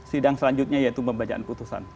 sidang selanjutnya yaitu membacaan putusan